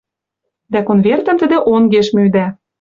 Дӓ конвертӹм тӹдӹ онгеш мӱдӓ